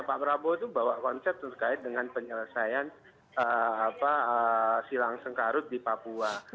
pak prabowo itu bawa konsep terkait dengan penyelesaian silang sengkarut di papua